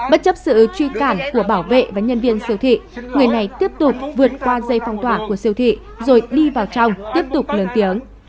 bất chấp sự truy cản của bảo vệ và nhân viên siêu thị người này tiếp tục vượt qua dây phong tỏa của siêu thị rồi đi vào trong tiếp tục lớn tiếng